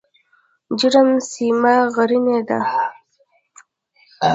جرم سیمه غرنۍ ده؟